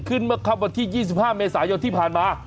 เมื่อครับวันที่๒๕เมษายนที่ผ่านมา